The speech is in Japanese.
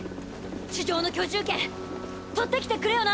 地上の居住権取ってきてくれよな！